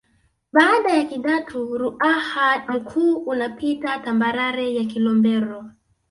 Baada ya Kidatu Ruaha Mkuu unapita tambarare ya Kilombero